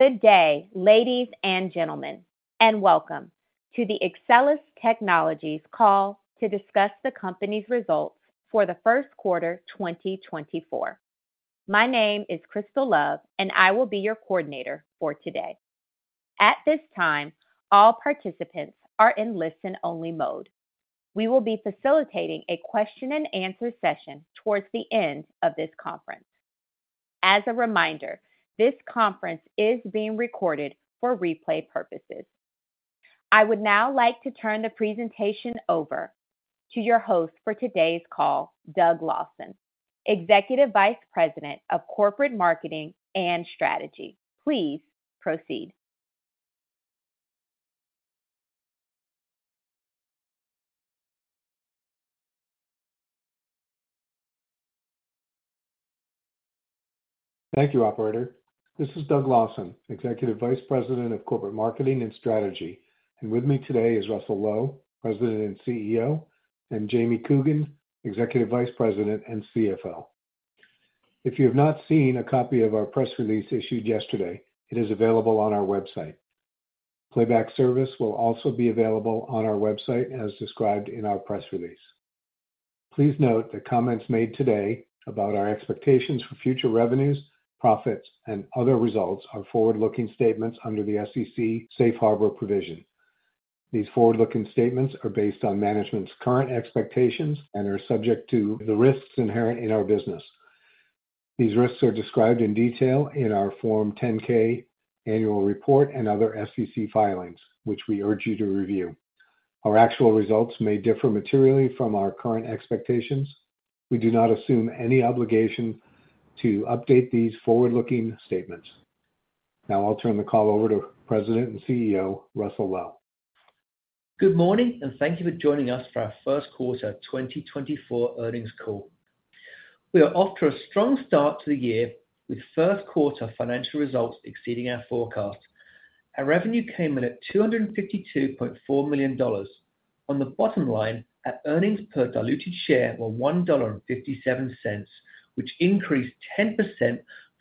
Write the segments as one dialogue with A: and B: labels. A: Good day, ladies and gentlemen, and welcome to the Axcelis Technologies call to discuss the company's results for the first quarter 2024. My name is Crystal Love, and I will be your coordinator for today. At this time, all participants are in listen-only mode. We will be facilitating a question-and-answer session towards the end of this conference. As a reminder, this conference is being recorded for replay purposes. I would now like to turn the presentation over to your host for today's call, Doug Lawson, Executive Vice President of Corporate Marketing and Strategy. Please proceed.
B: Thank you, Operator. This is Doug Lawson, Executive Vice President of Corporate Marketing and Strategy. With me today is Russell Low, President and CEO, and Jamie Coogan, Executive Vice President and CFO. If you have not seen a copy of our press release issued yesterday, it is available on our website. Playback service will also be available on our website as described in our press release. Please note that comments made today about our expectations for future revenues, profits, and other results are forward-looking statements under the SEC Safe Harbor provision. These forward-looking statements are based on management's current expectations and are subject to the risks inherent in our business. These risks are described in detail in our Form 10-K annual report and other SEC filings, which we urge you to review. Our actual results may differ materially from our current expectations. We do not assume any obligation to update these forward-looking statements. Now I'll turn the call over to President and CEO Russell Low.
C: Good morning, and thank you for joining us for our first quarter 2024 earnings call. We are off to a strong start to the year with first quarter financial results exceeding our forecast. Our revenue came in at $252.4 million. On the bottom line, our earnings per diluted share were $1.57, which increased 10%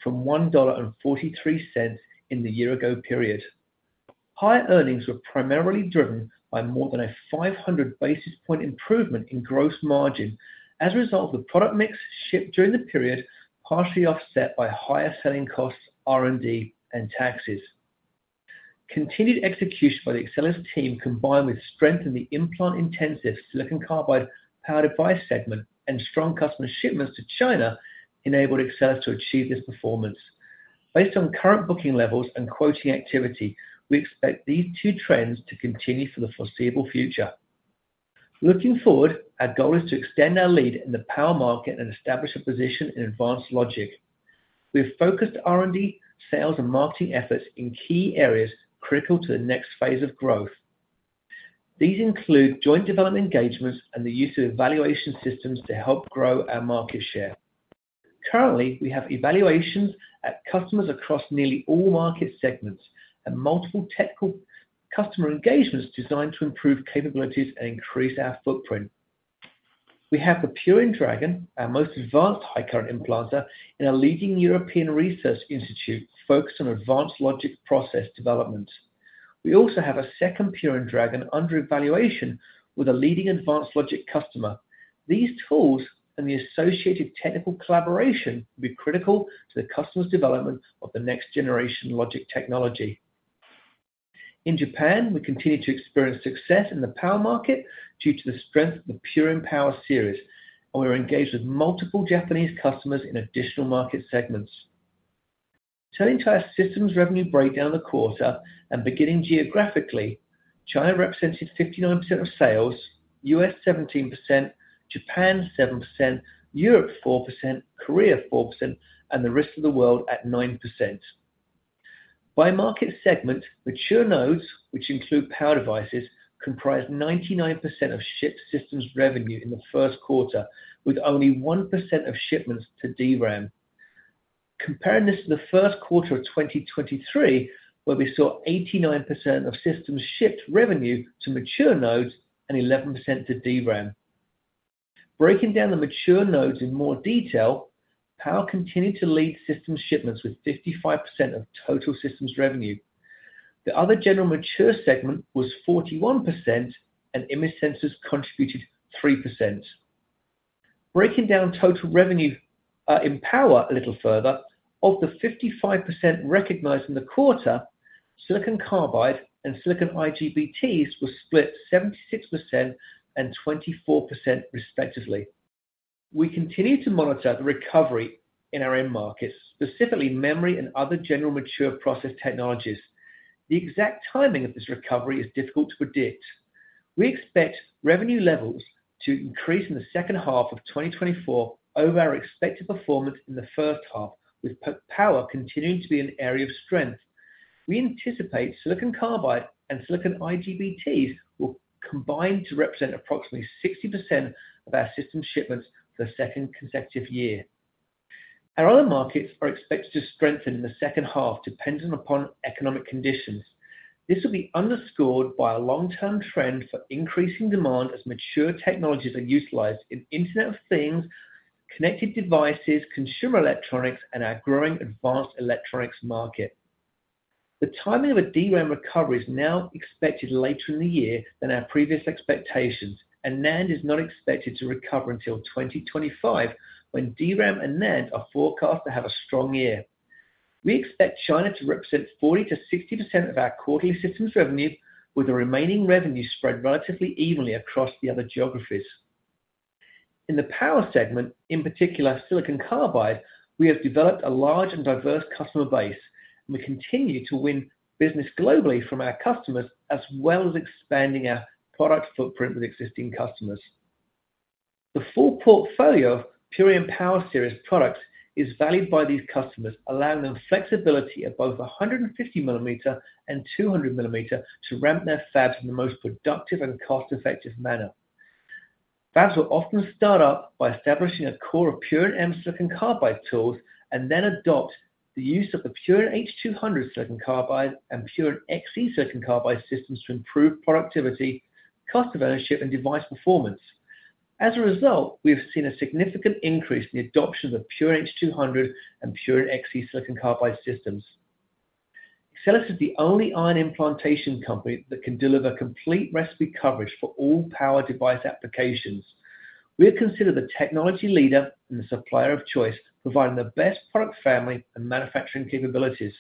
C: from $1.43 in the year-ago period. Higher earnings were primarily driven by more than a 500 basis points improvement in gross margin as a result of the product mix shipped during the period, partially offset by higher selling costs, R&D, and taxes. Continued execution by the Axcelis team combined with strength in the implant-intensive silicon carbide power device segment and strong customer shipments to China enabled Axcelis to achieve this performance. Based on current booking levels and quoting activity, we expect these two trends to continue for the foreseeable future. Looking forward, our goal is to extend our lead in the power market and establish a position in advanced logic. We have focused R&D, sales, and marketing efforts in key areas critical to the next phase of growth. These include joint development engagements and the use of evaluation systems to help grow our market share. Currently, we have evaluations at customers across nearly all market segments and multiple technical customer engagements designed to improve capabilities and increase our footprint. We have the Purion Dragon, our most advanced high-current implanter, in a leading European research institute focused on advanced logic process development. We also have a second Purion Dragon under evaluation with a leading advanced logic customer. These tools and the associated technical collaboration will be critical to the customer's development of the next generation logic technology. In Japan, we continue to experience success in the power market due to the strength of the Purion Power Series, and we are engaged with multiple Japanese customers in additional market segments. Turning to our systems revenue breakdown of the quarter and beginning geographically, China represented 59% of sales, US 17%, Japan 7%, Europe 4%, Korea 4%, and the rest of the world at 9%. By market segment, mature nodes, which include power devices, comprised 99% of shipped systems revenue in the first quarter, with only 1% of shipments to DRAM. Comparing this to the first quarter of 2023, where we saw 89% of systems shipped revenue to mature nodes and 11% to DRAM. Breaking down the mature nodes in more detail, power continued to lead systems shipments with 55% of total systems revenue. The other general mature segment was 41%, and image sensors contributed 3%. Breaking down total revenue in power a little further, of the 55% recognized in the quarter, silicon carbide and silicon IGBTs were split 76% and 24% respectively. We continue to monitor the recovery in our end markets, specifically memory and other general mature process technologies. The exact timing of this recovery is difficult to predict. We expect revenue levels to increase in the second half of 2024 over our expected performance in the first half, with power continuing to be an area of strength. We anticipate silicon carbide and silicon IGBTs will combine to represent approximately 60% of our systems shipments for the second consecutive year. Our other markets are expected to strengthen in the second half, dependent upon economic conditions. This will be underscored by a long-term trend for increasing demand as mature technologies are utilized in Internet of Things, connected devices, consumer electronics, and our growing advanced electronics market. The timing of a DRAM recovery is now expected later in the year than our previous expectations, and NAND is not expected to recover until 2025, when DRAM and NAND are forecast to have a strong year. We expect China to represent 40%-60% of our quarterly systems revenue, with the remaining revenue spread relatively evenly across the other geographies. In the power segment, in particular Silicon carbide, we have developed a large and diverse customer base, and we continue to win business globally from our customers as well as expanding our product footprint with existing customers. The full portfolio of Purion Power Series products is valued by these customers, allowing them flexibility of both 150 mm and 200 mm to ramp their fabs in the most productive and cost-effective manner. Fabs will often start up by establishing a core of Purion M silicon carbide tools and then adopt the use of the Purion H200 silicon carbide and Purion XE silicon carbide systems to improve productivity, cost of ownership, and device performance. As a result, we have seen a significant increase in the adoption of the Purion H200 and Purion XE silicon carbide systems. Axcelis is the only ion implantation company that can deliver complete recipe coverage for all power device applications. We are considered the technology leader and the supplier of choice, providing the best product family and manufacturing capabilities.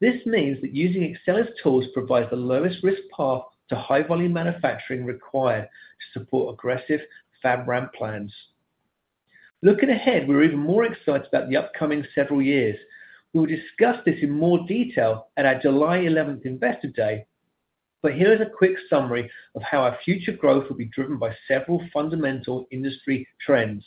C: This means that using Axcelis tools provides the lowest risk path to high-volume manufacturing required to support aggressive fab ramp plans. Looking ahead, we are even more excited about the upcoming several years. We will discuss this in more detail at our July 11th, Investor Day, but here is a quick summary of how our future growth will be driven by several fundamental industry trends.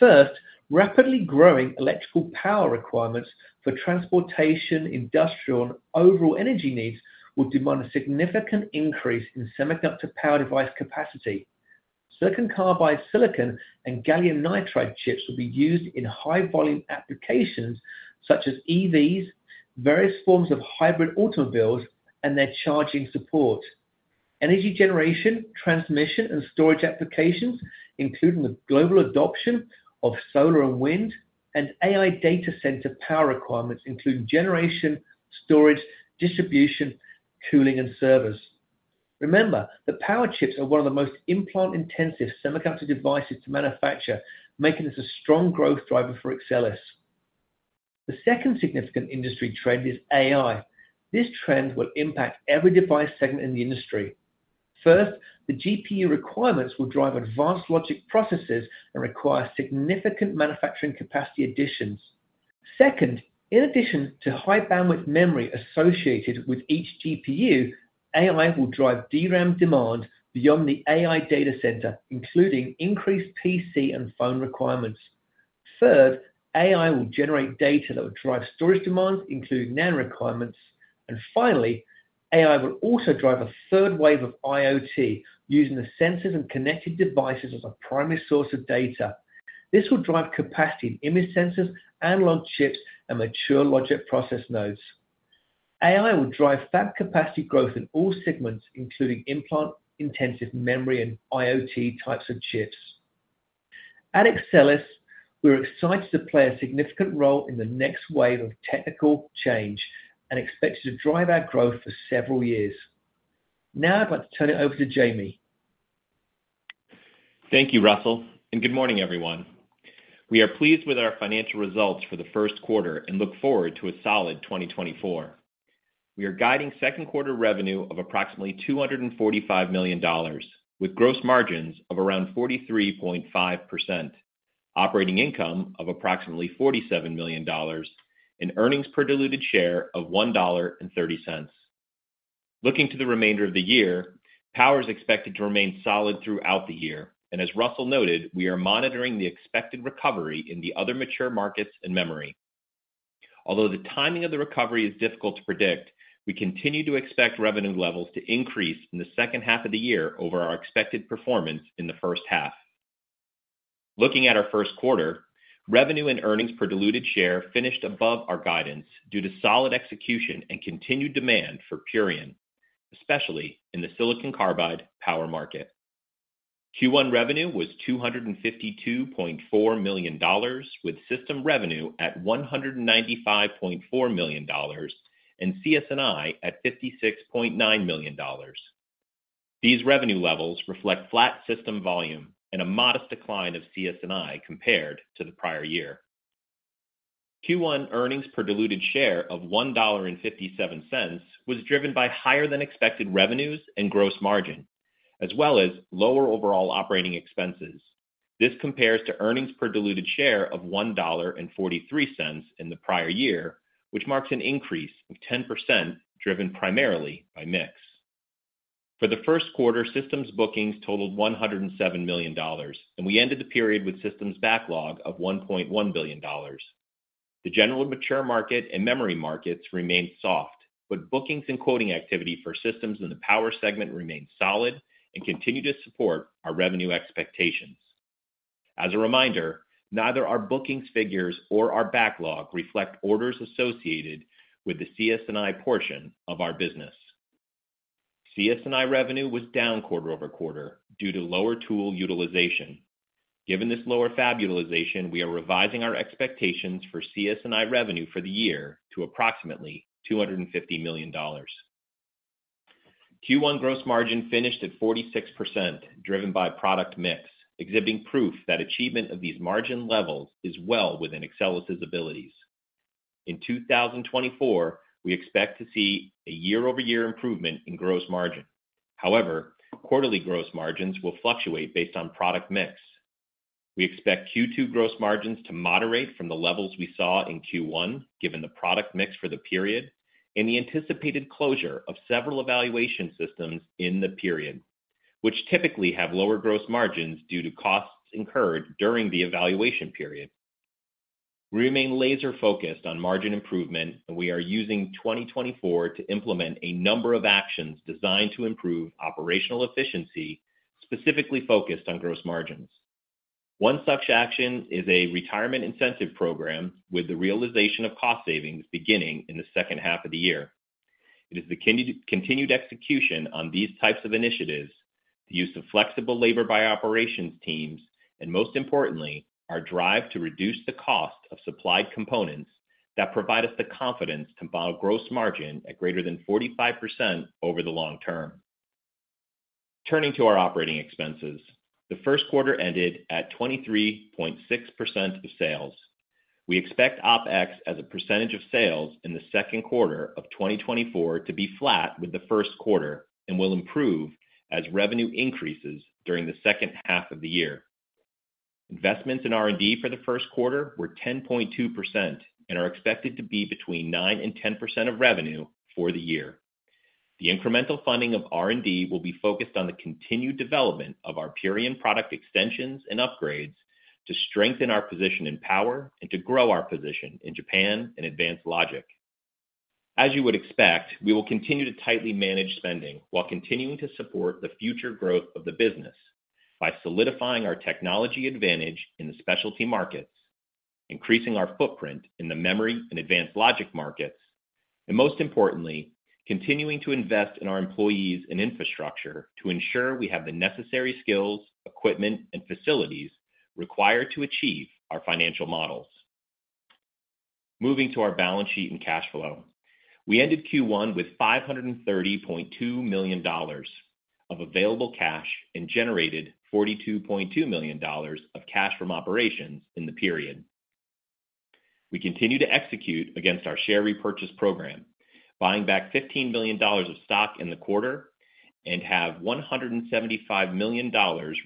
C: First, rapidly growing electrical power requirements for transportation, industrial, and overall energy needs will demand a significant increase in semiconductor power device capacity. Silicon carbide silicon and gallium nitride chips will be used in high-volume applications such as EVs, various forms of hybrid automobiles, and their charging support. Energy generation, transmission, and storage applications, including the global adoption of solar and wind, and AI data center power requirements, include generation, storage, distribution, cooling, and servers. Remember that power chips are one of the most implant-intensive semiconductor devices to manufacture, making this a strong growth driver for Axcelis. The second significant industry trend is AI. This trend will impact every device segment in the industry. First, the GPU requirements will drive advanced logic processes and require significant manufacturing capacity additions. Second, in addition to high-bandwidth memory associated with each GPU, AI will drive DRAM demand beyond the AI data center, including increased PC and phone requirements. Third, AI will generate data that will drive storage demands, including NAND requirements. And finally, AI will also drive a third wave of IoT, using the sensors and connected devices as a primary source of data. This will drive capacity in image sensors, analog chips, and mature logic process nodes. AI will drive fab capacity growth in all segments, including implant-intensive memory and IoT types of chips. At Axcelis, we are excited to play a significant role in the next wave of technical change and expected to drive our growth for several years. Now I'd like to turn it over to Jamie.
D: Thank you, Russell, and good morning, everyone. We are pleased with our financial results for the first quarter and look forward to a solid 2024. We are guiding second quarter revenue of approximately $245 million, with gross margins of around 43.5%, operating income of approximately $47 million, and earnings per diluted share of $1.30. Looking to the remainder of the year, power is expected to remain solid throughout the year, and as Russell noted, we are monitoring the expected recovery in the other mature markets and memory. Although the timing of the recovery is difficult to predict, we continue to expect revenue levels to increase in the second half of the year over our expected performance in the first half. Looking at our first quarter, revenue and earnings per diluted share finished above our guidance due to solid execution and continued demand for Purion, especially in the silicon carbide power market. Q1 revenue was $252.4 million, with system revenue at $195.4 million and CS&I at $56.9 million. These revenue levels reflect flat system volume and a modest decline of CS&I compared to the prior year. Q1 earnings per diluted share of $1.57 was driven by higher-than-expected revenues and gross margin, as well as lower overall operating expenses. This compares to earnings per diluted share of $1.43 in the prior year, which marks an increase of 10% driven primarily by mix. For the first quarter, systems bookings totaled $107 million, and we ended the period with systems backlog of $1.1 billion. The general mature market and memory markets remained soft, but bookings and quoting activity for systems in the power segment remained solid and continue to support our revenue expectations. As a reminder, neither our bookings figures nor our backlog reflect orders associated with the CS&I portion of our business. CS&I revenue was down quarter-over-quarter due to lower tool utilization. Given this lower fab utilization, we are revising our expectations for CS&I revenue for the year to approximately $250 million. Q1 gross margin finished at 46%, driven by product mix, exhibiting proof that achievement of these margin levels is well within Axcelis's abilities. In 2024, we expect to see a year-over-year improvement in gross margin. However, quarterly gross margins will fluctuate based on product mix. We expect Q2 gross margins to moderate from the levels we saw in Q1, given the product mix for the period, and the anticipated closure of several evaluation systems in the period, which typically have lower gross margins due to costs incurred during the evaluation period. We remain laser-focused on margin improvement, and we are using 2024 to implement a number of actions designed to improve operational efficiency, specifically focused on gross margins. One such action is a retirement incentive program with the realization of cost savings beginning in the second half of the year. It is the continued execution on these types of initiatives, the use of flexible labor by operations teams, and most importantly, our drive to reduce the cost of supplied components that provide us the confidence to band gross margin at greater than 45% over the long term. Turning to our operating expenses, the first quarter ended at 23.6% of sales. We expect OpEx as a percentage of sales in the second quarter of 2024 to be flat with the first quarter and will improve as revenue increases during the second half of the year. Investments in R&D for the first quarter were 10.2% and are expected to be between 9% and 10% of revenue for the year. The incremental funding of R&D will be focused on the continued development of our Purion product extensions and upgrades to strengthen our position in power and to grow our position in Japan and advanced logic. As you would expect, we will continue to tightly manage spending while continuing to support the future growth of the business by solidifying our technology advantage in the specialty markets, increasing our footprint in the memory and advanced logic markets, and most importantly, continuing to invest in our employees and infrastructure to ensure we have the necessary skills, equipment, and facilities required to achieve our financial models. Moving to our balance sheet and cash flow, we ended Q1 with $530.2 million of available cash and generated $42.2 million of cash from operations in the period. We continue to execute against our share repurchase program, buying back $15 million of stock in the quarter, and have $175 million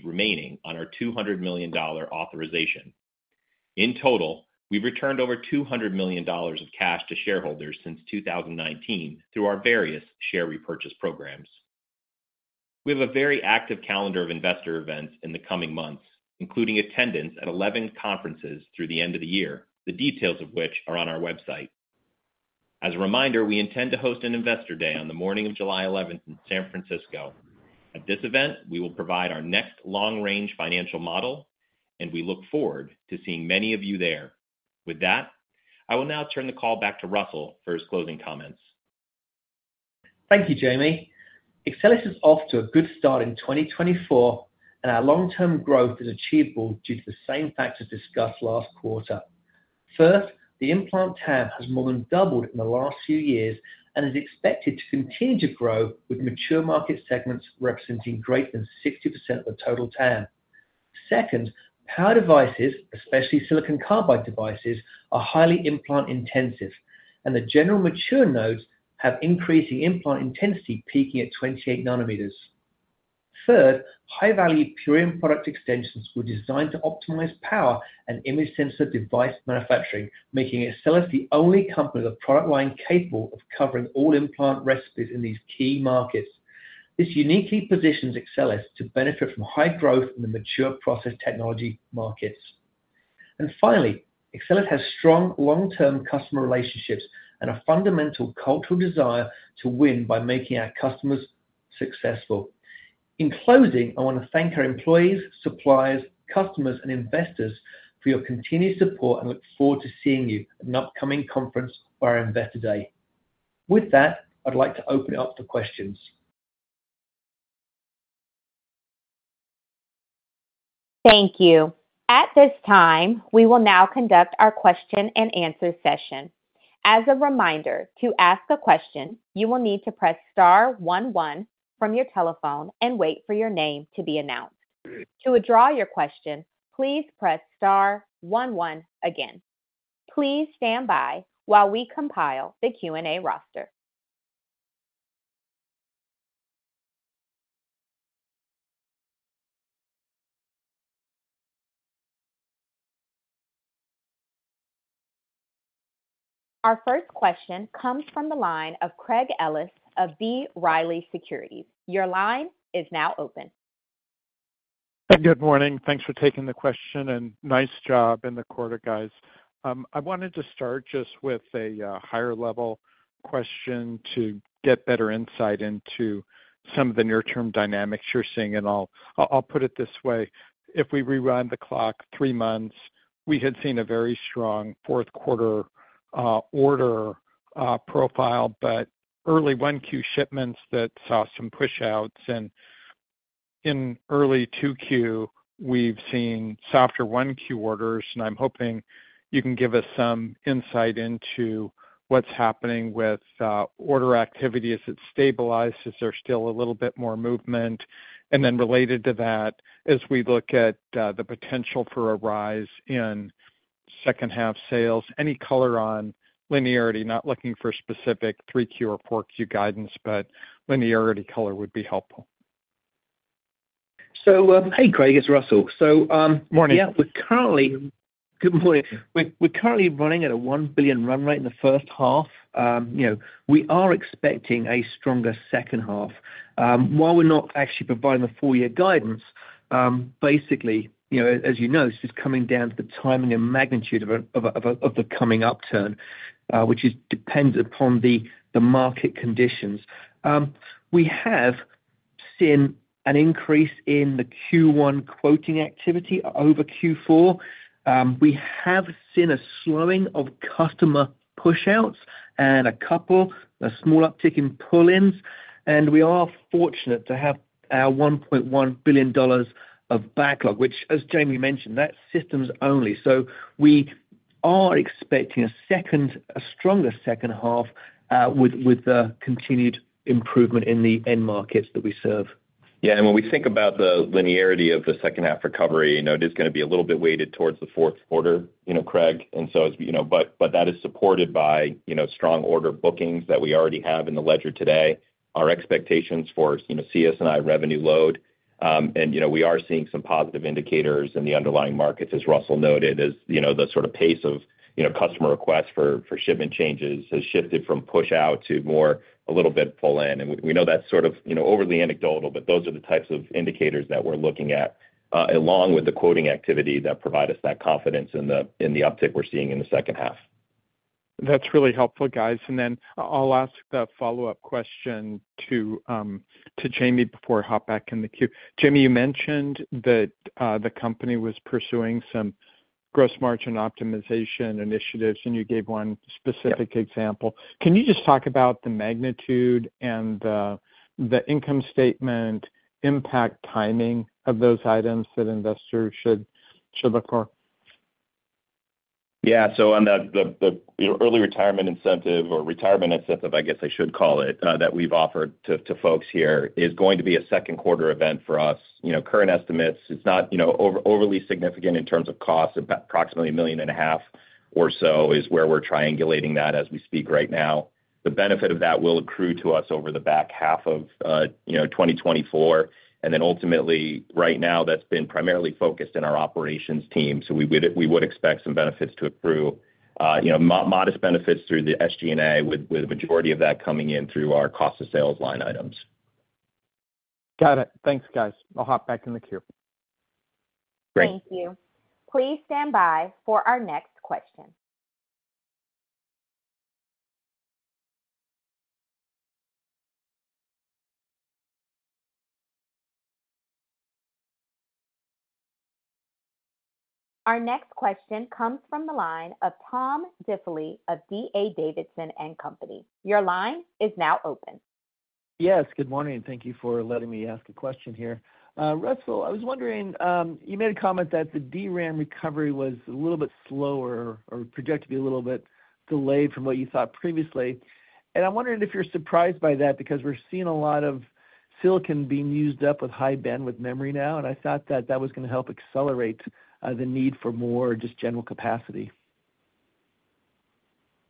D: remaining on our $200 million authorization. In total, we've returned over $200 million of cash to shareholders since 2019 through our various share repurchase programs. We have a very active calendar of investor events in the coming months, including attendance at 11 conferences through the end of the year, the details of which are on our website. As a reminder, we intend to host an Investor Day on the morning of July 11th in San Francisco. At this event, we will provide our next long-range financial model, and we look forward to seeing many of you there. With that, I will now turn the call back to Russell for his closing comments.
C: Thank you, Jamie. Axcelis is off to a good start in 2024, and our long-term growth is achievable due to the same factors discussed last quarter. First, the implant TAM has more than doubled in the last few years and is expected to continue to grow, with mature market segments representing greater than 60% of the total TAM. Second, power devices, especially silicon carbide devices, are highly implant-intensive, and the general mature nodes have increasing implant intensity, peaking at 28 nm. Third, high-value Purion product extensions were designed to optimize power and image sensor device manufacturing, making Axcelis the only company with a product line capable of covering all implant recipes in these key markets. This uniquely positions Axcelis to benefit from high growth in the mature process technology markets. And finally, Axcelis has strong long-term customer relationships and a fundamental cultural desire to win by making our customers successful. In closing, I want to thank our employees, suppliers, customers, and investors for your continued support and look forward to seeing you at an upcoming conference for our Investor Day. With that, I'd like to open it up for questions.
A: Thank you. At this time, we will now conduct our question-and-answer session. As a reminder, to ask a question, you will need to press star one one from your telephone and wait for your name to be announced. To withdraw your question, please press star one one again. Please stand by while we compile the Q&A roster. Our first question comes from the line of Craig Ellis of B. Riley Securities. Your line is now open.
E: Good morning. Thanks for taking the question, and nice job in the quarter, guys. I wanted to start just with a higher-level question to get better insight into some of the near-term dynamics you're seeing. And I'll put it this way: if we rewind the clock three months, we had seen a very strong fourth-quarter order profile, but early 1Q shipments that saw some push-outs. And in early 2Q, we've seen softer 1Q orders. And I'm hoping you can give us some insight into what's happening with order activity as it stabilizes, is there still a little bit more movement? And then related to that, as we look at the potential for a rise in second-half sales, any color on linearity—not looking for specific 3Q or 4Q guidance, but linearity color would be helpful.
C: So hey, Craig. It's Russell. So yeah, good morning. We're currently running at a $1 billion run rate in the first half. We are expecting a stronger second half. While we're not actually providing the full-year guidance, basically, as you know, this is coming down to the timing and magnitude of the coming upturn, which depends upon the market conditions. We have seen an increase in the Q1 quoting activity over Q4. We have seen a slowing of customer push-outs and a couple, a small uptick in pull-ins. And we are fortunate to have our $1.1 billion of backlog, which, as Jamie mentioned, that's systems-only. So we are expecting a stronger second half with the continued improvement in the end markets that we serve.
D: Yeah. And when we think about the linearity of the second-half recovery, it is going to be a little bit weighted towards the fourth quarter, Craig. And so but that is supported by strong order bookings that we already have in the ledger today, our expectations for CS&I revenue load. And we are seeing some positive indicators in the underlying markets, as Russell noted. The sort of pace of customer requests for shipment changes has shifted from push-out to more a little bit pull-in. And we know that's sort of overly anecdotal, but those are the types of indicators that we're looking at, along with the quoting activity that provide us that confidence in the uptick we're seeing in the second half.
E: That's really helpful, guys. And then I'll ask the follow-up question to Jamie before I hop back in the queue. Jamie, you mentioned that the company was pursuing some gross margin optimization initiatives, and you gave one specific example. Can you just talk about the magnitude and the income statement impact timing of those items that investors should look for?
D: Yeah. So on the early retirement incentive or retirement incentive, I guess I should call it, that we've offered to folks here is going to be a second-quarter event for us. Current estimates, it's not overly significant in terms of cost. Approximately $1.5 million or so is where we're triangulating that as we speak right now. The benefit of that will accrue to us over the back half of 2024. And then ultimately, right now, that's been primarily focused in our operations team. So we would expect some benefits to accrue, modest benefits through the SG&A, with the majority of that coming in through our cost of sales line items.
E: Got it. Thanks, guys. I'll hop back in the queue.
D: Great.
A: Thank you. Please stand by for our next question. Our next question comes from the line of Tom Diffely of D.A. Davidson & Co. Your line is now open.
F: Yes. Good morning. Thank you for letting me ask a question here. Russell, I was wondering, you made a comment that the DRAM recovery was a little bit slower or projected to be a little bit delayed from what you thought previously. And I'm wondering if you're surprised by that because we're seeing a lot of silicon being used up with high-bandwidth memory now. And I thought that that was going to help accelerate the need for more just general capacity?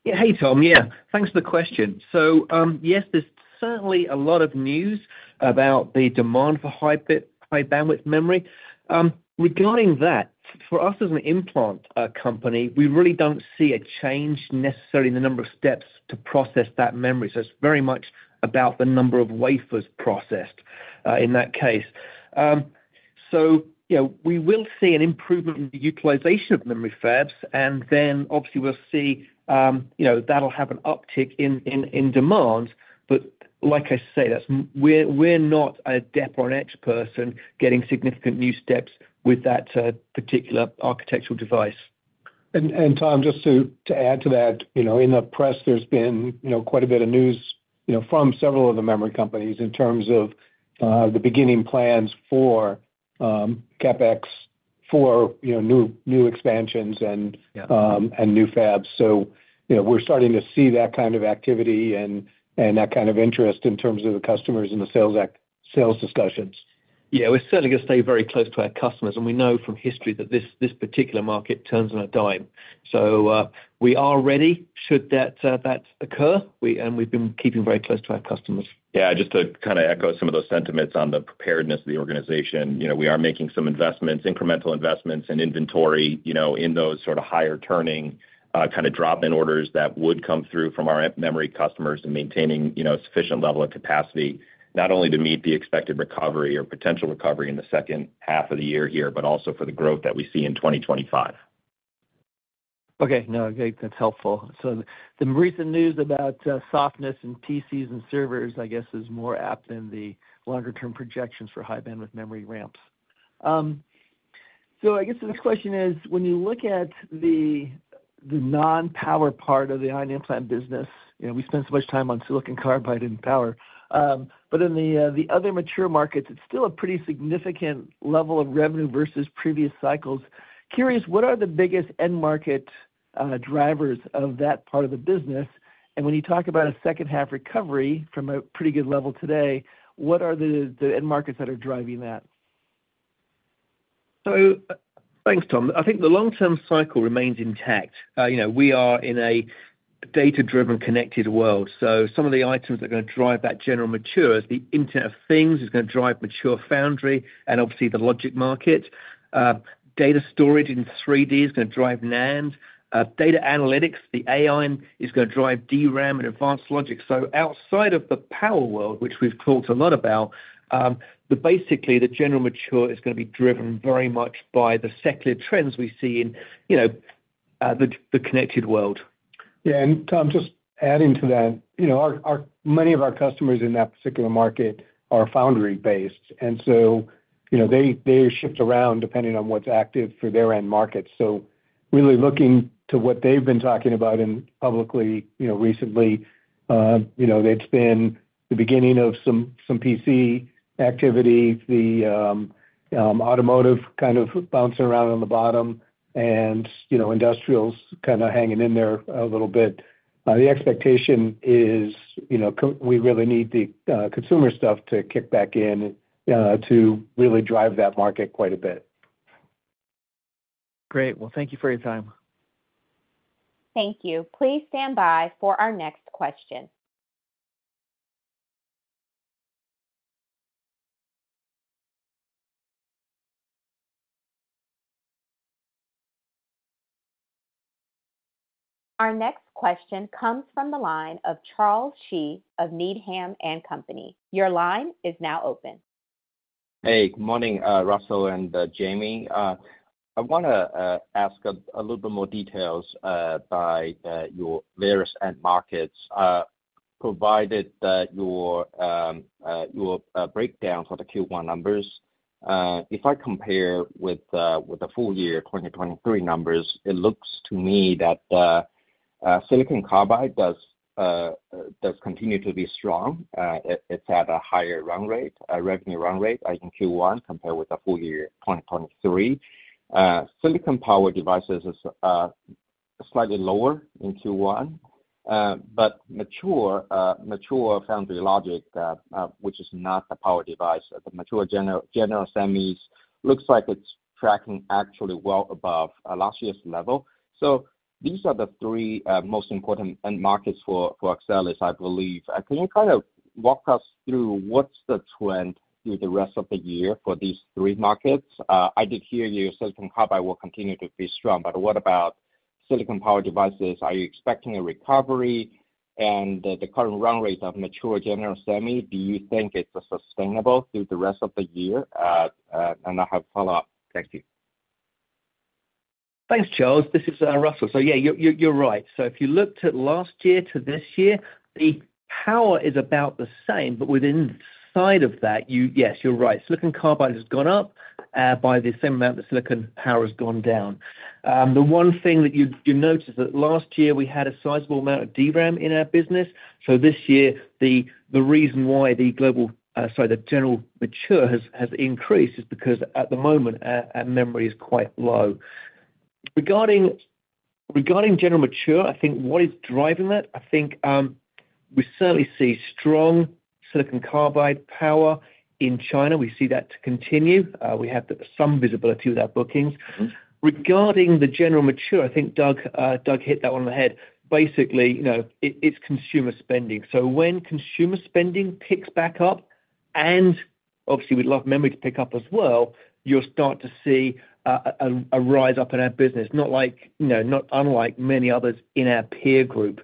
C: Yeah. Hey, Tom. Yeah. Thanks for the question. So yes, there's certainly a lot of news about the demand for high bandwidth memory. Regarding that, for us as an implant company, we really don't see a change necessarily in the number of steps to process that memory. So it's very much about the number of wafers processed in that case. So we will see an improvement in the utilization of memory fabs. And then obviously, we'll see that'll have an uptick in demand. But like I say, we're not a deposition person getting significant new steps with that particular architectural device.
B: Tom, just to add to that, in the press, there's been quite a bit of news from several of the memory companies in terms of the beginning plans for CapEx for new expansions and new fabs. We're starting to see that kind of activity and that kind of interest in terms of the customers and the sales discussions.
C: Yeah. We're certainly going to stay very close to our customers. We know from history that this particular market turns on a dime. We are ready should that occur. We've been keeping very close to our customers.
D: Yeah. Just to kind of echo some of those sentiments on the preparedness of the organization, we are making some investments, incremental investments in inventory in those sort of higher-turning kind of drop-in orders that would come through from our memory customers, and maintaining a sufficient level of capacity, not only to meet the expected recovery or potential recovery in the second half of the year here, but also for the growth that we see in 2025.
F: Okay. No, great. That's helpful. So the recent news about softness in PCs and servers, I guess, is more apt than the longer-term projections for high-bandwidth memory ramps. So I guess the next question is, when you look at the non-power part of the ion implant business, we spend so much time on silicon carbide and power. But in the other mature markets, it's still a pretty significant level of revenue versus previous cycles. Curious, what are the biggest end-market drivers of that part of the business? And when you talk about a second-half recovery from a pretty good level today, what are the end markets that are driving that?
C: So thanks, Tom. I think the long-term cycle remains intact. We are in a data-driven, connected world. So some of the items that are going to drive that general mature is the Internet of Things is going to drive mature foundry and obviously the logic market. Data storage in 3D is going to drive NAND. Data analytics, the AI, is going to drive DRAM and advanced logic. So outside of the power world, which we've talked a lot about, basically, the general mature is going to be driven very much by the secular trends we see in the connected world.
B: Yeah. And Tom, just adding to that, many of our customers in that particular market are foundry-based. And so they shift around depending on what's active for their end markets. So really looking to what they've been talking about publicly recently, it's been the beginning of some PC activity, the automotive kind of bouncing around on the bottom, and industrials kind of hanging in there a little bit. The expectation is we really need the consumer stuff to kick back in to really drive that market quite a bit.
F: Great. Well, thank you for your time.
A: Thank you. Please stand by for our next question. Our next question comes from the line of Charles Shi of Needham & Company. Your line is now open.
G: Hey. Good morning, Russell and Jamie. I want to ask a little bit more details about your various end markets. Provided that your breakdown for the Q1 numbers, if I compare with the full-year 2023 numbers, it looks to me that silicon carbide does continue to be strong. It's at a higher revenue run rate in Q1 compared with the full-year 2023. Silicon power devices are slightly lower in Q1. But mature foundry logic, which is not the power device, the mature general semis, looks like it's tracking actually well above last year's level. So these are the three most important end markets for Axcelis, I believe. Can you kind of walk us through what's the trend through the rest of the year for these three markets? I did hear your silicon carbide will continue to be strong. But what about silicon power devices? Are you expecting a recovery? The current run rate of mature general semi, do you think it's sustainable through the rest of the year? I have a follow-up. Thank you.
C: Thanks, Charles. This is Russell. So yeah, you're right. So if you looked at last year to this year, the power is about the same. But within the side of that, yes, you're right. Silicon carbide has gone up by the same amount that silicon power has gone down. The one thing that you notice is that last year, we had a sizable amount of DRAM in our business. So this year, the reason why the global sorry, the general mature has increased is because at the moment, memory is quite low. Regarding general mature, I think what is driving that? I think we certainly see strong silicon carbide power in China. We see that continue. We have some visibility with our bookings. Regarding the general mature, I think Doug hit that one on the head. Basically, it's consumer spending. So when consumer spending picks back up and obviously, we'd love memory to pick up as well, you'll start to see a rise up in our business, not unlike many others in our peer group.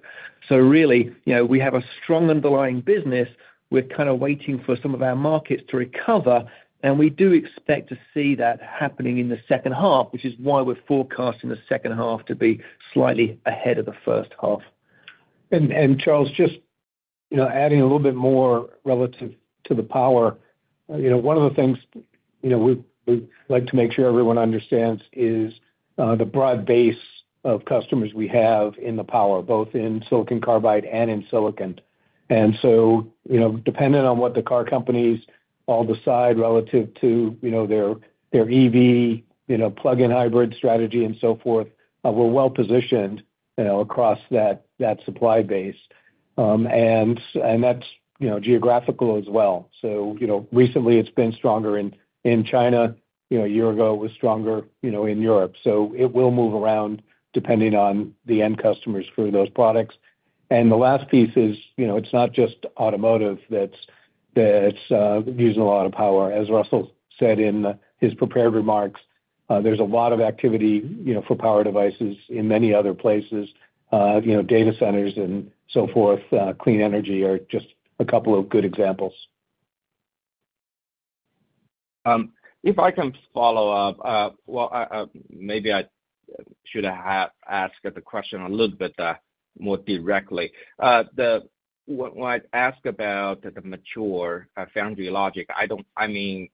C: So really, we have a strong underlying business. We're kind of waiting for some of our markets to recover. And we do expect to see that happening in the second half, which is why we're forecasting the second half to be slightly ahead of the first half.
B: Charles, just adding a little bit more relative to the power, one of the things we'd like to make sure everyone understands is the broad base of customers we have in the power, both in silicon carbide and in silicon. So dependent on what the car companies all decide relative to their EV plug-in hybrid strategy and so forth, we're well-positioned across that supply base. And that's geographical as well. So recently, it's been stronger in China. A year ago, it was stronger in Europe. So it will move around depending on the end customers for those products. And the last piece is it's not just automotive that's using a lot of power. As Russell said in his prepared remarks, there's a lot of activity for power devices in many other places, data centers, and so forth. Clean energy are just a couple of good examples.
G: If I can follow up, well, maybe I should have asked the question a little bit more directly. When I ask about the mature foundry logic, I mean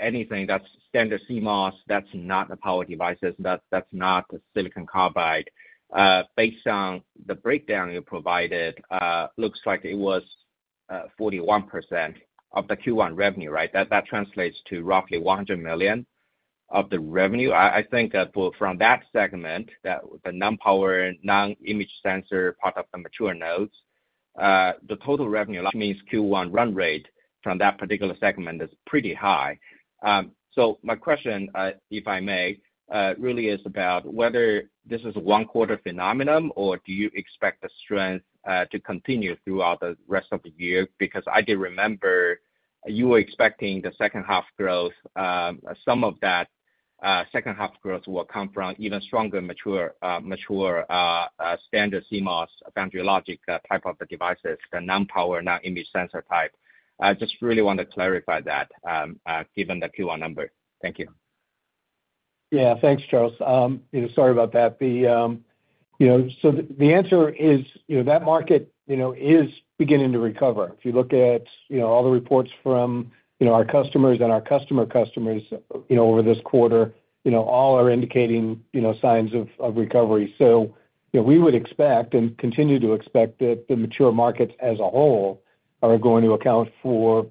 G: anything that's standard CMOS, that's not the power devices. That's not the silicon carbide. Based on the breakdown you provided, it looks like it was 41% of the Q1 revenue, right? That translates to roughly $100 million of the revenue. I think from that segment, the non-power, non-image sensor part of the mature nodes, the total revenue. Means Q1 run rate from that particular segment is pretty high. So my question, if I may, really is about whether this is a one-quarter phenomenon or do you expect the strength to continue throughout the rest of the year? Because I did remember you were expecting the second-half growth. Some of that second-half growth will come from even stronger mature standard CMOS foundry logic type of the devices, the non-power, non-image sensor type. I just really want to clarify that given the Q1 number. Thank you.
B: Yeah. Thanks, Charles. Sorry about that. So the answer is that market is beginning to recover. If you look at all the reports from our customers and our customer customers over this quarter, all are indicating signs of recovery. So we would expect and continue to expect that the mature markets as a whole are going to account for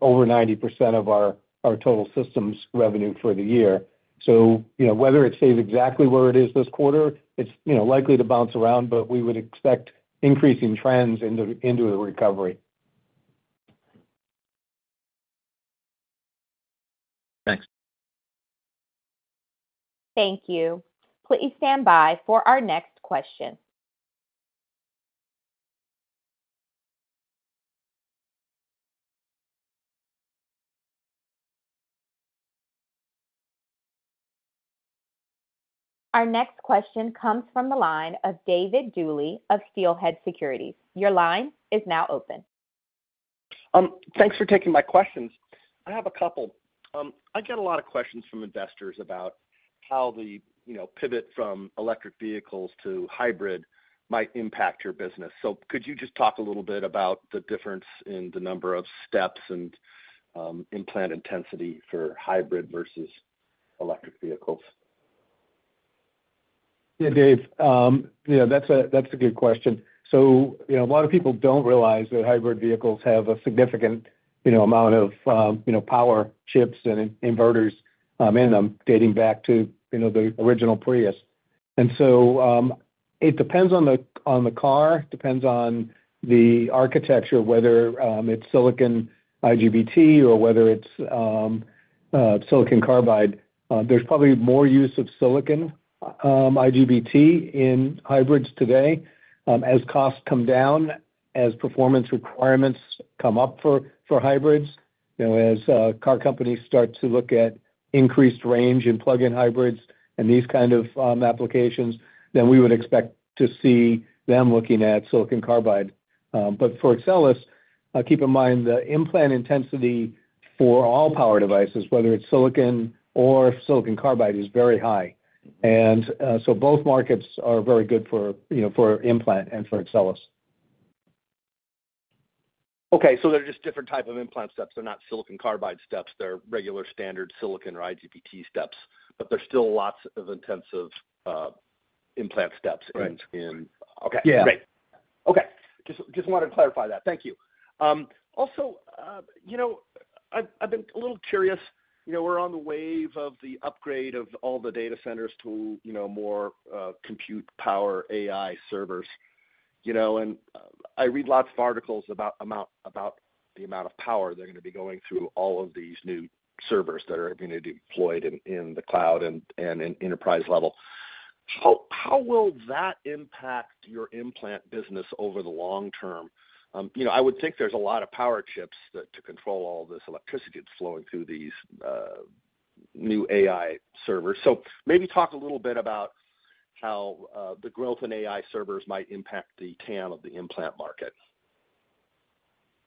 B: over 90% of our total systems revenue for the year. So whether it stays exactly where it is this quarter, it's likely to bounce around. But we would expect increasing trends into the recovery.
G: Thanks.
A: Thank you. Please stand by for our next question. Our next question comes from the line of David Duley of Steelhead Securities. Your line is now open.
H: Thanks for taking my questions. I have a couple. I get a lot of questions from investors about how the pivot from electric vehicles to hybrid might impact your business. So could you just talk a little bit about the difference in the number of steps and implant intensity for hybrid versus electric vehicles?
B: Yeah, Dave. That's a good question. So a lot of people don't realize that hybrid vehicles have a significant amount of power chips and inverters in them dating back to the original Prius. And so it depends on the car. It depends on the architecture, whether it's silicon IGBT or whether it's silicon carbide. There's probably more use of silicon IGBT in hybrids today. As costs come down, as performance requirements come up for hybrids, as car companies start to look at increased range in plug-in hybrids and these kinds of applications, then we would expect to see them looking at silicon carbide. But for Axcelis, keep in mind the implant intensity for all power devices, whether it's silicon or silicon carbide, is very high. And so both markets are very good for implant and for Axcelis.
H: Okay. So they're just different type of implant steps. They're not silicon carbide steps. They're regular standard silicon or IGBT steps. But there's still lots of intensive implant steps in.
B: Right. Yeah.
H: Okay. Great. Okay. Just wanted to clarify that. Thank you. Also, I've been a little curious. We're on the wave of the upgrade of all the data centers to more compute power AI servers. And I read lots of articles about the amount of power they're going to be going through all of these new servers that are going to be deployed in the cloud and enterprise level. How will that impact your implant business over the long term? I would think there's a lot of power chips to control all this electricity flowing through these new AI servers. Maybe talk a little bit about how the growth in AI servers might impact the TAM of the implant market.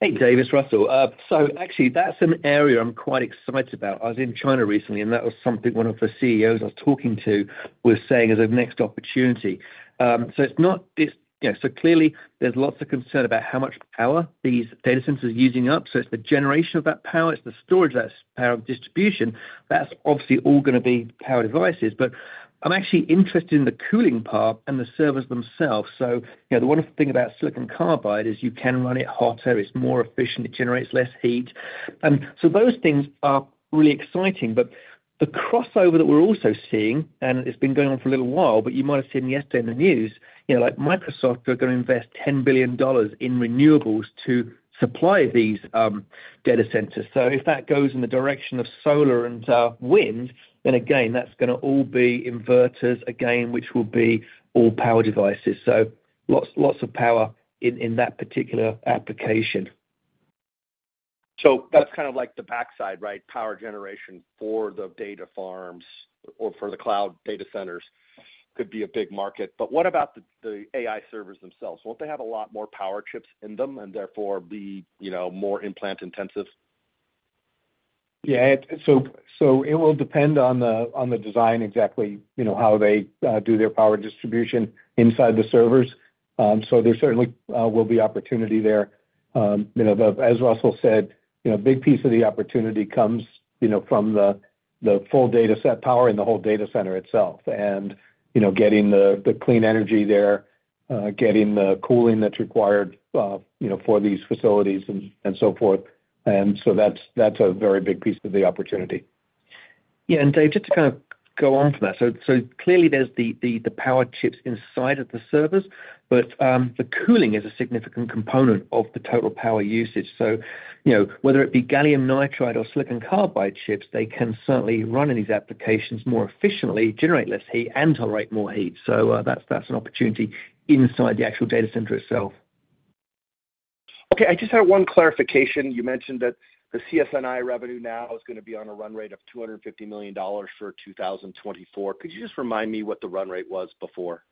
C: Hey, Dave, it's Russell. So actually, that's an area I'm quite excited about. I was in China recently, and that was something one of the CEOs I was talking to was saying as a next opportunity. So it's not yeah. So clearly, there's lots of concern about how much power these data centers are using up. So it's the generation of that power. It's the storage of that power distribution. That's obviously all going to be power devices. But I'm actually interested in the cooling part and the servers themselves. So the wonderful thing about silicon carbide is you can run it hotter. It's more efficient. It generates less heat. And so those things are really exciting. But the crossover that we're also seeing and it's been going on for a little while, but you might have seen yesterday in the news, Microsoft are going to invest $10 billion in renewables to supply these data centers. So if that goes in the direction of solar and wind, then again, that's going to all be inverters, again, which will be all power devices. So lots of power in that particular application.
H: So that's kind of like the backside, right? Power generation for the data farms or for the cloud data centers could be a big market. But what about the AI servers themselves? Won't they have a lot more power chips in them and therefore be more implant intensive?
B: Yeah. So it will depend on the design, exactly how they do their power distribution inside the servers. So there certainly will be opportunity there. As Russell said, a big piece of the opportunity comes from the full data set power in the whole data center itself and getting the clean energy there, getting the cooling that's required for these facilities, and so forth. And so that's a very big piece of the opportunity.
C: Yeah. Dave, just to kind of go on from that. So clearly, there's the power chips inside of the servers. But the cooling is a significant component of the total power usage. So whether it be gallium nitride or silicon carbide chips, they can certainly run in these applications more efficiently, generate less heat, and tolerate more heat. So that's an opportunity inside the actual data center itself.
H: Okay. I just had one clarification. You mentioned that the CS&I revenue now is going to be on a run rate of $250 million for 2024. Could you just remind me what the run rate was before?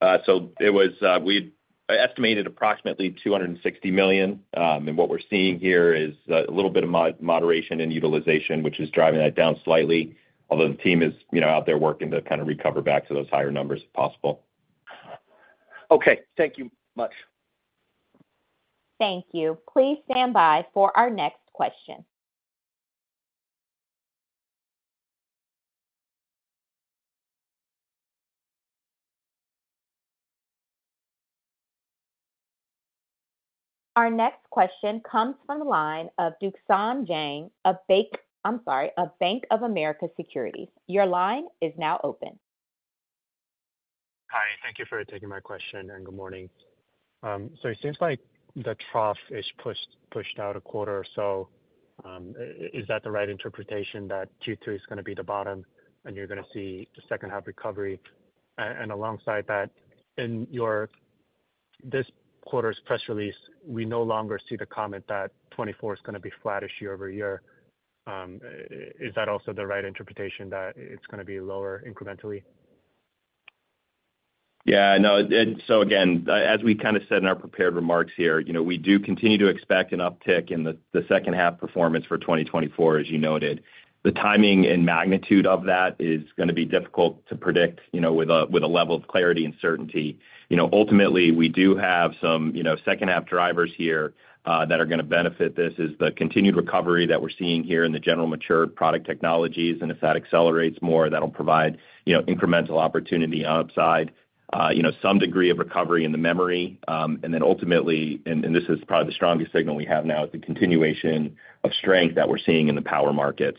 D: We estimated approximately $260 million. What we're seeing here is a little bit of moderation in utilization, which is driving that down slightly, although the team is out there working to kind of recover back to those higher numbers if possible.
H: Okay. Thank you much.
A: Thank you. Please stand by for our next question. Our next question comes from the line of Duksan Jang of I'm sorry, of Bank of America Securities. Your line is now open.
I: Hi. Thank you for taking my question, and good morning. So it seems like the trough is pushed out a quarter or so. Is that the right interpretation, that Q3 is going to be the bottom and you're going to see the second-half recovery? And alongside that, in this quarter's press release, we no longer see the comment that 2024 is going to be flatter year-over-year. Is that also the right interpretation, that it's going to be lower incrementally?
D: Yeah. No. So again, as we kind of said in our prepared remarks here, we do continue to expect an uptick in the second-half performance for 2024, as you noted. The timing and magnitude of that is going to be difficult to predict with a level of clarity and certainty. Ultimately, we do have some second-half drivers here that are going to benefit. This is the continued recovery that we're seeing here in the general mature product technologies. And if that accelerates more, that'll provide incremental opportunity on upside, some degree of recovery in the memory. And then ultimately, and this is probably the strongest signal we have now, it's a continuation of strength that we're seeing in the power markets.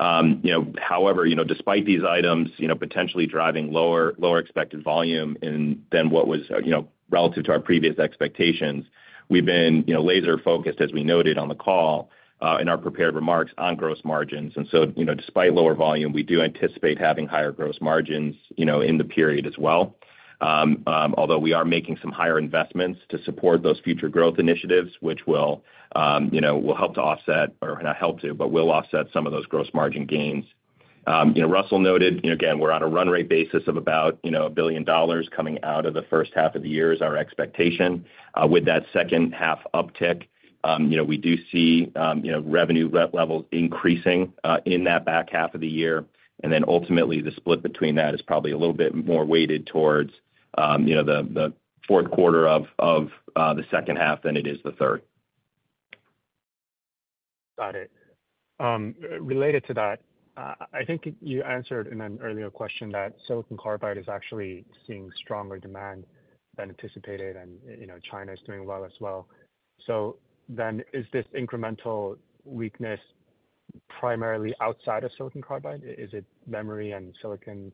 D: However, despite these items potentially driving lower expected volume than what was relative to our previous expectations, we've been laser-focused, as we noted on the call in our prepared remarks, on gross margins. And so despite lower volume, we do anticipate having higher gross margins in the period as well, although we are making some higher investments to support those future growth initiatives, which will help to offset or not help to, but will offset some of those gross margin gains. Russell noted, again, we're on a run-rate basis of about $1 billion coming out of the first half of the year is our expectation. With that second-half uptick, we do see revenue levels increasing in that back half of the year. And then ultimately, the split between that is probably a little bit more weighted towards the fourth quarter of the second half than it is the third.
I: Got it. Related to that, I think you answered in an earlier question that silicon carbide is actually seeing stronger demand than anticipated, and China is doing well as well. So then is this incremental weakness primarily outside of silicon carbide? Is it memory and silicon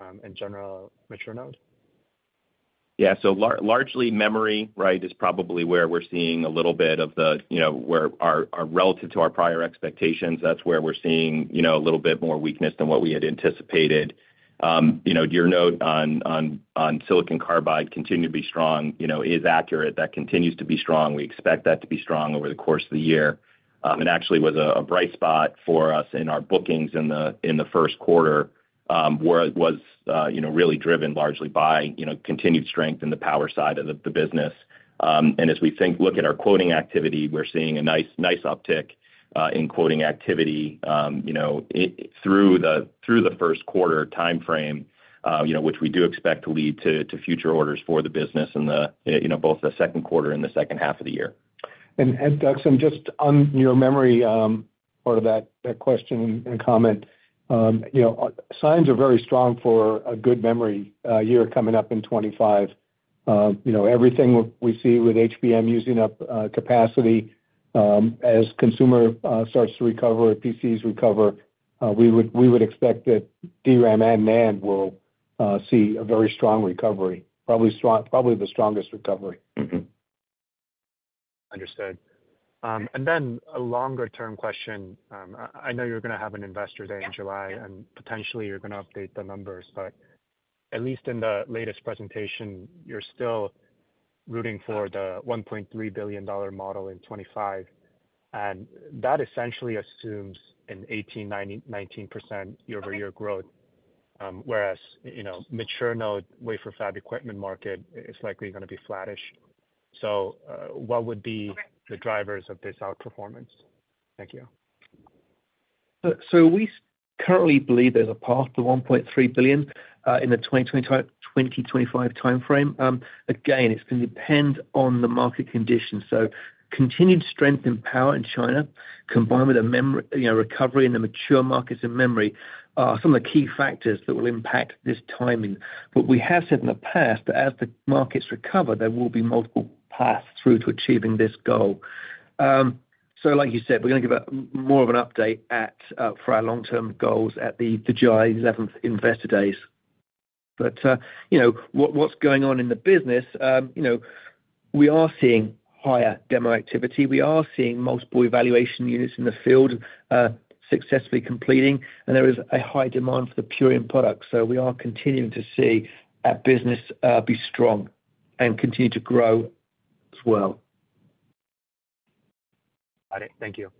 I: and general mature node?
D: Yeah. So largely, memory, right, is probably where we're seeing a little bit where relative to our prior expectations, that's where we're seeing a little bit more weakness than what we had anticipated. Your note on Silicon carbide continuing to be strong is accurate. That continues to be strong. We expect that to be strong over the course of the year. It actually was a bright spot for us in our bookings in the first quarter, where it was really driven largely by continued strength in the power side of the business. And as we look at our quoting activity, we're seeing a nice uptick in quoting activity through the first quarter timeframe, which we do expect to lead to future orders for the business in both the second quarter and the second half of the year.
B: Duksan, just on your memory part of that question and comment, signs are very strong for a good memory year coming up in 2025. Everything we see with HBM using up capacity, as consumer starts to recover, PCs recover, we would expect that DRAM and NAND will see a very strong recovery, probably the strongest recovery.
I: Understood. And then a longer-term question. I know you're going to have an investor day in July, and potentially, you're going to update the numbers. But at least in the latest presentation, you're still rooting for the $1.3 billion model in 2025. And that essentially assumes an 18%-19% year-over-year growth, whereas mature node, wafer fab equipment market is likely going to be flatish. So what would be the drivers of this outperformance? Thank you.
C: So we currently believe there's a path to $1.3 billion in the 2020-2025 timeframe. Again, it's going to depend on the market conditions. So continued strength in power in China, combined with a recovery in the mature markets in memory, are some of the key factors that will impact this timing. But we have said in the past that as the markets recover, there will be multiple paths through to achieving this goal. So like you said, we're going to give more of an update for our long-term goals at the July 11th investor days. But what's going on in the business, we are seeing higher demo activity. We are seeing multiple evaluation units in the field successfully completing. And there is a high demand for the Purion product. So we are continuing to see our business be strong and continue to grow as well.
I: Got it. Thank you.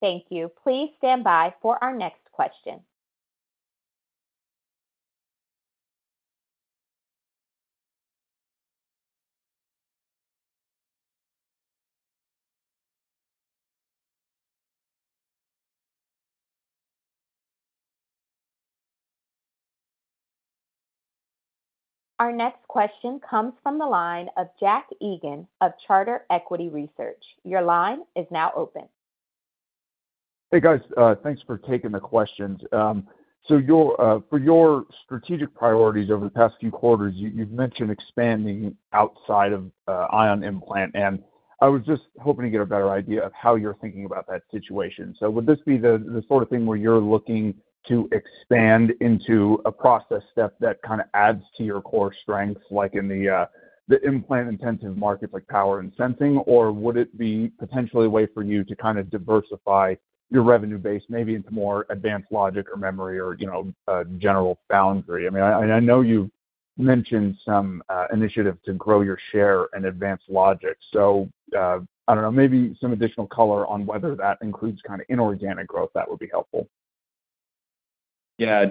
A: Thank you. Please stand by for our next question. Our next question comes from the line of Jack Egan of Charter Equity Research. Your line is now open.
J: Hey, guys. Thanks for taking the questions. So for your strategic priorities over the past few quarters, you've mentioned expanding outside of ion implant. And I was just hoping to get a better idea of how you're thinking about that situation. So would this be the sort of thing where you're looking to expand into a process step that kind of adds to your core strengths, like in the implant-intensive markets like power and sensing? Or would it be potentially a way for you to kind of diversify your revenue base, maybe into more advanced logic or memory or general foundry? I mean, I know you've mentioned some initiative to grow your share in advanced logic. So I don't know, maybe some additional color on whether that includes kind of inorganic growth. That would be helpful.
D: Yeah.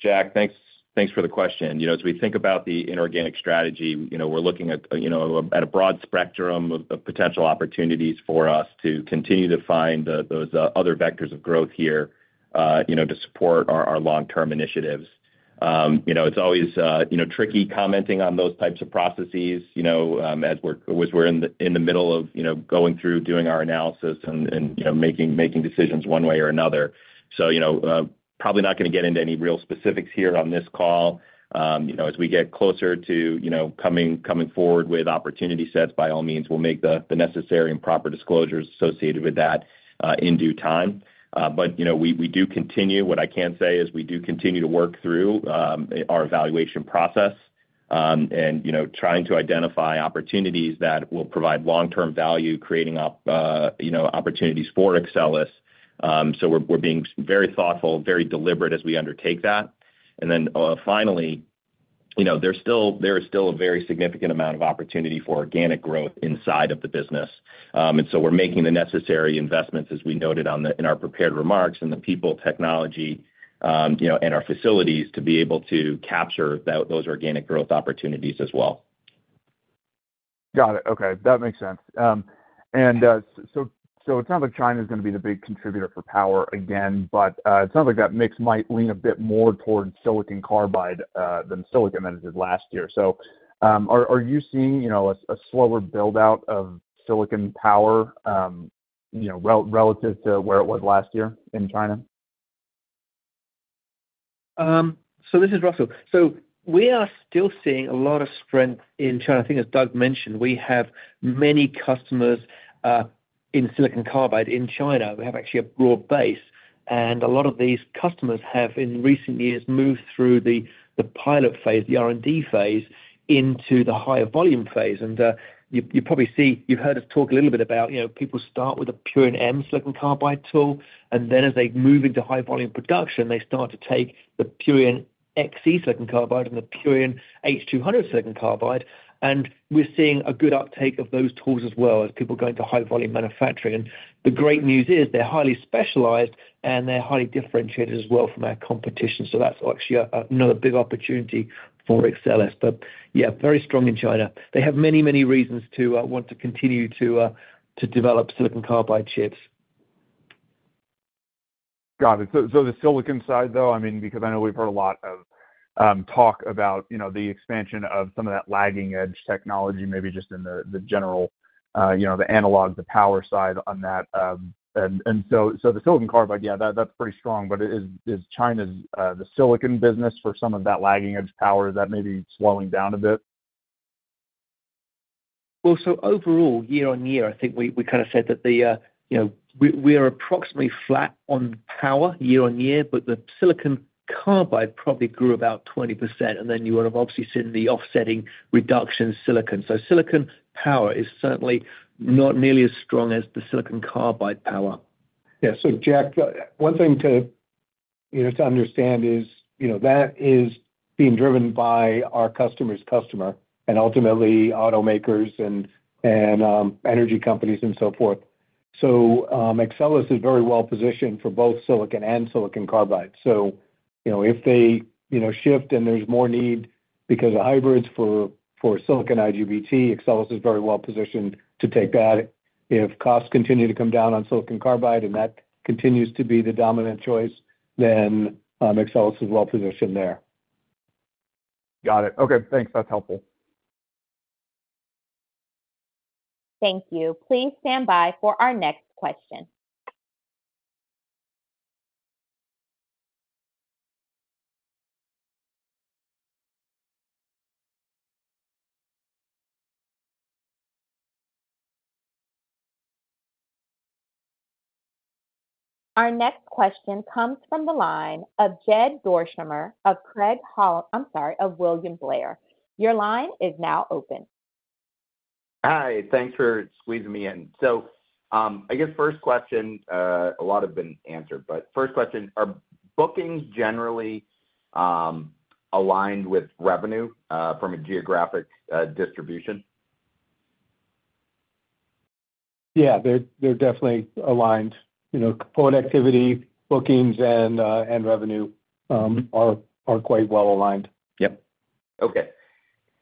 D: Jack, thanks for the question. As we think about the inorganic strategy, we're looking at a broad spectrum of potential opportunities for us to continue to find those other vectors of growth here to support our long-term initiatives. It's always tricky commenting on those types of processes as we're in the middle of going through, doing our analysis, and making decisions one way or another. So probably not going to get into any real specifics here on this call. As we get closer to coming forward with opportunity sets, by all means, we'll make the necessary and proper disclosures associated with that in due time. But we do continue. What I can say is we do continue to work through our evaluation process and trying to identify opportunities that will provide long-term value, creating opportunities for Axcelis. So we're being very thoughtful, very deliberate as we undertake that. And then finally, there is still a very significant amount of opportunity for organic growth inside of the business. And so we're making the necessary investments, as we noted in our prepared remarks, in the people, technology, and our facilities to be able to capture those organic growth opportunities as well.
J: Got it. Okay. That makes sense. And so it sounds like China is going to be the big contributor for power again. But it sounds like that mix might lean a bit more towards silicon carbide than silicon than it did last year. So are you seeing a slower buildout of silicon power relative to where it was last year in China?
C: So this is Russell. So we are still seeing a lot of strength in China. I think, as Doug mentioned, we have many customers in silicon carbide in China. We have actually a broad base. And a lot of these customers have, in recent years, moved through the pilot phase, the R&D phase, into the higher volume phase. And you've probably heard us talk a little bit about people start with a Purion M silicon carbide tool. And then as they move into high-volume production, they start to take the Purion XE silicon carbide and the Purion H200 silicon carbide. And we're seeing a good uptake of those tools as well, as people go into high-volume manufacturing. And the great news is they're highly specialized, and they're highly differentiated as well from our competition. So that's actually another big opportunity for Axcelis. But yeah, very strong in China. They have many, many reasons to want to continue to develop silicon carbide chips.
J: Got it. So the silicon side, though, I mean, because I know we've heard a lot of talk about the expansion of some of that lagging-edge technology, maybe just in the general, the analog, the power side on that. And so the silicon carbide, yeah, that's pretty strong. But is China's the silicon business for some of that lagging-edge power? Is that maybe slowing down a bit?
C: Well, so overall, year-on-year, I think we kind of said that we are approximately flat on power year-on-year. But the silicon carbide probably grew about 20%. And then you would have obviously seen the offsetting reduction silicon. So silicon power is certainly not nearly as strong as the silicon carbide power.
B: Yeah. So Jack, one thing to understand is that is being driven by our customer's customer and ultimately automakers and energy companies and so forth. So Axcelis is very well positioned for both silicon and silicon carbide. So if they shift and there's more need because of hybrids for silicon IGBT, Axcelis is very well positioned to take that. If costs continue to come down on silicon carbide and that continues to be the dominant choice, then Axcelis is well positioned there.
J: Got it. Okay. Thanks. That's helpful.
A: Thank you. Please stand by for our next question. Our next question comes from the line of Jed Dorsheimer of Craig Hall. I'm sorry, of William Blair. Your line is now open.
K: Hi. Thanks for squeezing me in. So, I guess first question, a lot have been answered. But first question, are bookings generally aligned with revenue from a geographic distribution?
B: Yeah. They're definitely aligned. Quote activity, bookings, and revenue are quite well aligned.
K: Yep. Okay.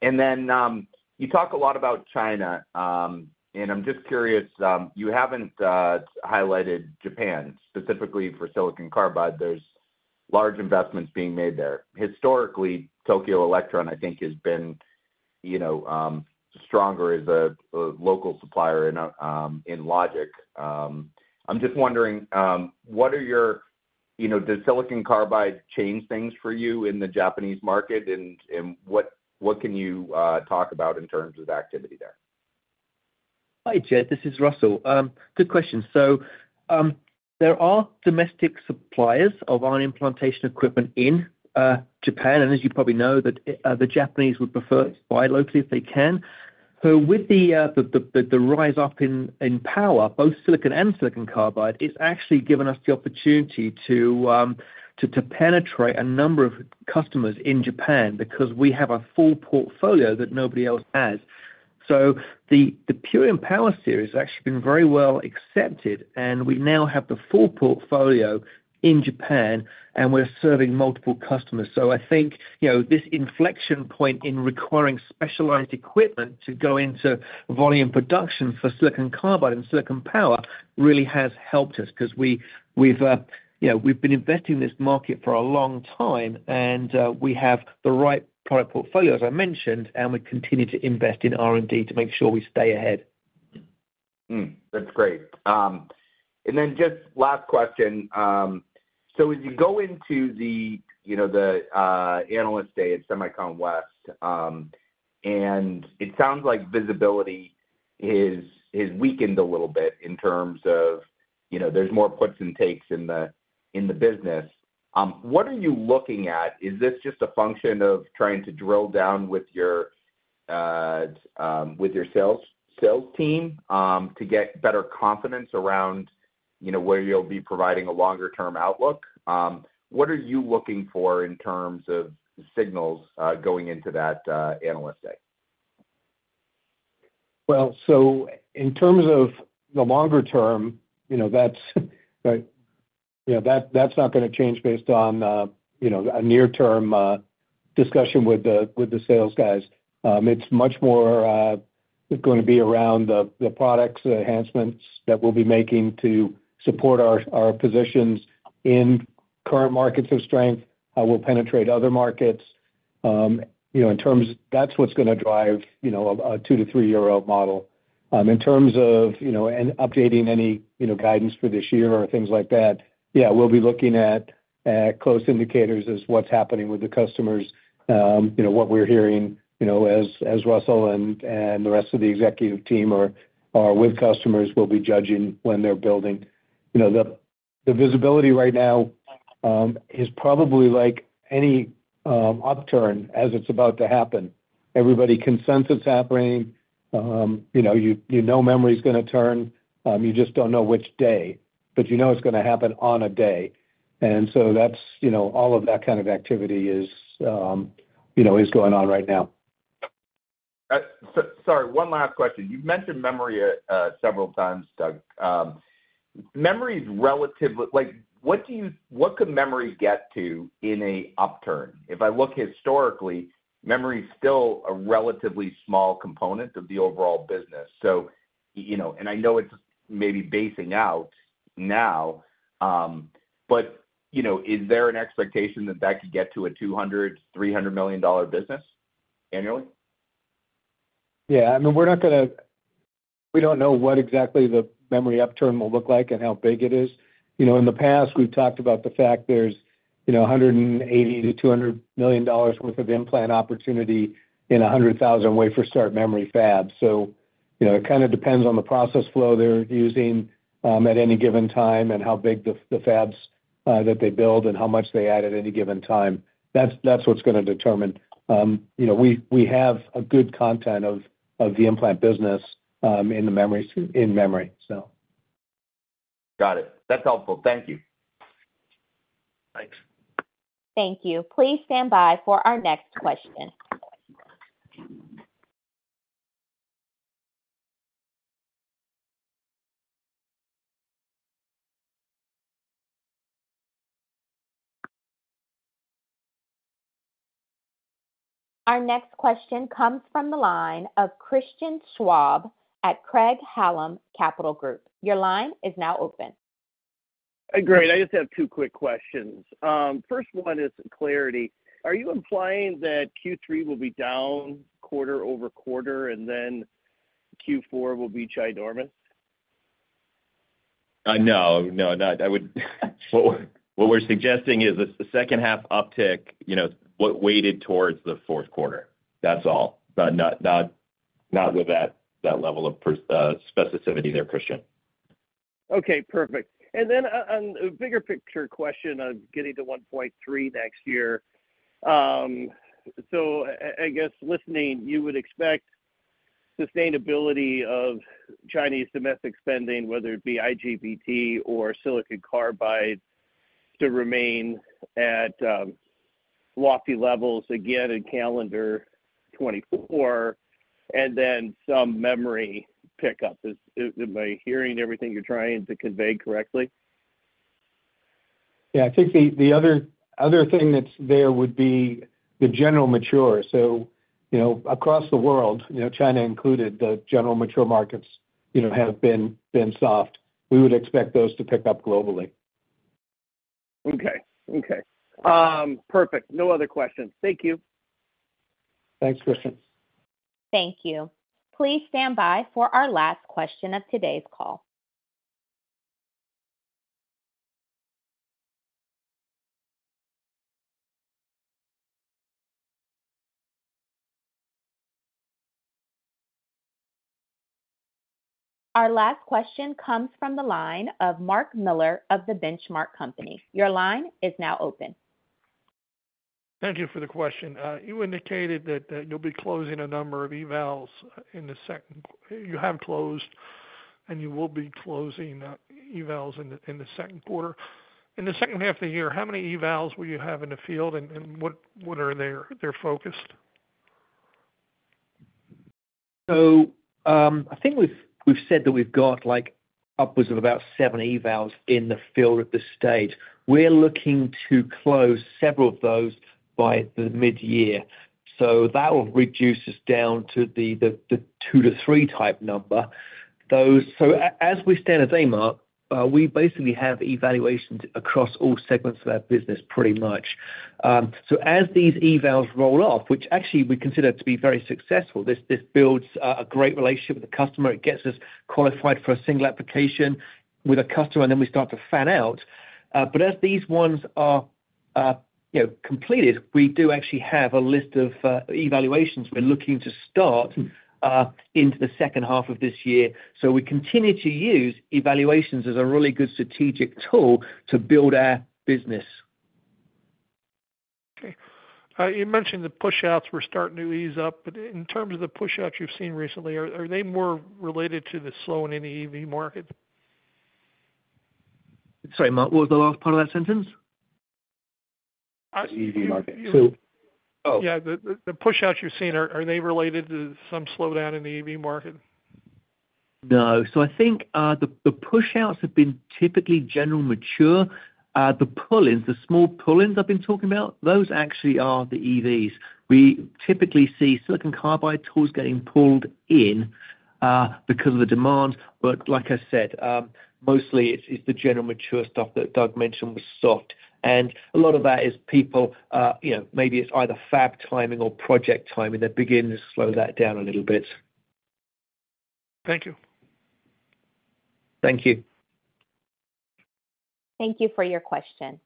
K: And then you talk a lot about China. And I'm just curious, you haven't highlighted Japan specifically for silicon carbide. There's large investments being made there. Historically, Tokyo Electron, I think, has been stronger as a local supplier in logic. I'm just wondering, what are your thoughts? Does silicon carbide change things for you in the Japanese market? And what can you talk about in terms of activity there?
C: Hi Jed. This is Russell. Good question. So there are domestic suppliers of ion implantation equipment in Japan. And as you probably know, the Japanese would prefer to buy locally if they can. So with the rise up in power, both silicon and silicon carbide, it's actually given us the opportunity to penetrate a number of customers in Japan because we have a full portfolio that nobody else has. So the Purion Power Series has actually been very well accepted. And we now have the full portfolio in Japan. And we're serving multiple customers. So I think this inflection point in requiring specialized equipment to go into volume production for silicon carbide and silicon power really has helped us because we've been investing in this market for a long time. And we have the right product portfolio, as I mentioned. We continue to invest in R&D to make sure we stay ahead.
K: That's great. And then just last question. So as you go into the analyst day at SEMICON West, and it sounds like visibility has weakened a little bit in terms of there's more puts and takes in the business. What are you looking at? Is this just a function of trying to drill down with your sales team to get better confidence around where you'll be providing a longer-term outlook? What are you looking for in terms of signals going into that analyst day?
B: Well, so in terms of the longer term, that's not going to change based on a near-term discussion with the sales guys. It's much more going to be around the products, the enhancements that we'll be making to support our positions in current markets of strength, how we'll penetrate other markets. In terms of, that's what's going to drive a 2-3-year-old model. In terms of updating any guidance for this year or things like that, yeah, we'll be looking at close indicators as what's happening with the customers, what we're hearing, as Russell and the rest of the executive team are with customers, we'll be judging when they're building. The visibility right now is probably like any upturn as it's about to happen. Everybody consensus it's happening. You know memory's going to turn. You just don't know which day. You know it's going to happen on a day. So all of that kind of activity is going on right now.
K: Sorry. One last question. You've mentioned memory several times, Doug. Memory's relatively what could memory get to in an upturn? If I look historically, memory's still a relatively small component of the overall business. And I know it's maybe basing out now. But is there an expectation that that could get to a $200-$300 million business annually?
B: Yeah. I mean, we don't know what exactly the memory upturn will look like and how big it is. In the past, we've talked about the fact there's $180 million-$200 million worth of implant opportunity in a 100,000 wafer start memory fab. So it kind of depends on the process flow they're using at any given time and how big the fabs that they build and how much they add at any given time. That's what's going to determine. We have a good content of the implant business in memory, so.
K: Got it. That's helpful. Thank you.
B: Thanks.
A: Thank you. Please stand by for our next question. Our next question comes from the line of Christian Schwab at Craig-Hallum Capital Group. Your line is now open. Great. I just have two quick questions. First one is clarity. Are you implying that Q3 will be down quarter-over-quarter, and then Q4 will be ginormous?
D: No. No. What we're suggesting is a second-half uptick weighted towards the fourth quarter. That's all. Not with that level of specificity there, Christian.
L: Okay. Perfect. And then a bigger picture question of getting to 1.3 next year. So I guess listening, you would expect sustainability of Chinese domestic spending, whether it be IGBT or silicon carbide, to remain at lofty levels again in calendar 2024 and then some memory pickup. Am I hearing everything you're trying to convey correctly?
B: Yeah. I think the other thing that's there would be the general mature. So across the world, China included, the general mature markets have been soft. We would expect those to pick up globally.
L: Okay. Okay. Perfect. No other questions. Thank you.
B: Thanks, Christian.
A: Thank you. Please stand by for our last question of today's call. Our last question comes from the line of Mark Miller of The Benchmark Company. Your line is now open.
M: Thank you for the question. You indicated that you'll be closing a number of evals in the second quarter you have closed, and you will be closing evals in the second quarter. In the second half of the year, how many evals will you have in the field, and what are they focused?
C: So I think we've said that we've got upwards of about 7 evals in the field at this stage. We're looking to close several of those by the mid-year. So that will reduce us down to the 2-3 type number. So as we stand today, Mark, we basically have evaluations across all segments of our business pretty much. So as these evals roll off, which actually we consider to be very successful, this builds a great relationship with the customer. It gets us qualified for a single application with a customer, and then we start to fan out. But as these ones are completed, we do actually have a list of evaluations we're looking to start into the second half of this year. So we continue to use evaluations as a really good strategic tool to build our business.
M: Okay. You mentioned the push-outs. We're starting to ease up. But in terms of the push-outs you've seen recently, are they more related to the slowing in the EV market?
C: Sorry, Mark. What was the last part of that sentence?
M: EV market. So.
C: Oh.
M: Yeah. The push-outs you've seen, are they related to some slowdown in the EV market?
C: No. So I think the push-outs have been typically general mature. The small pull-ins I've been talking about, those actually are the EVs. We typically see silicon carbide tools getting pulled in because of the demand. But like I said, mostly, it's the general mature stuff that Doug mentioned was soft. And a lot of that is people maybe it's either fab timing or project timing. They're beginning to slow that down a little bit.
M: Thank you.
C: Thank you.
A: Thank you for your question.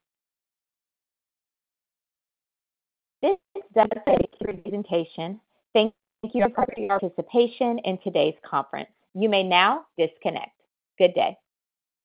A: This does end the presentation. Thank you for your participation in today's conference. You may now disconnect. Good day.